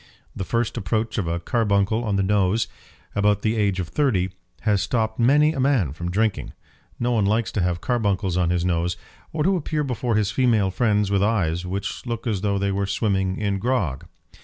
The first approach of a carbuncle on the nose, about the age of thirty, has stopped many a man from drinking. No one likes to have carbuncles on his nose, or to appear before his female friends with eyes which look as though they were swimming in grog.